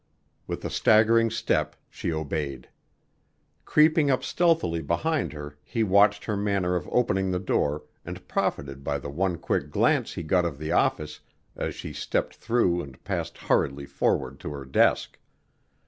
With a staggering step she obeyed. Creeping up stealthily behind her he watched her manner of opening the door and profited by the one quick glance he got of the office as she stepped through and passed hurriedly forward to her desk.